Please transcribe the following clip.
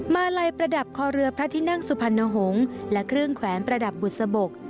มาลัยประดับคอเรือพระที่นั่งสุพรรณหงษ์และเครื่องแขวนประดับบุษบก